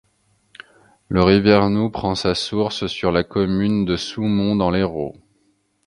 Le Rivernoux prend sa source sur la commune de Soumont dans l'Hérault.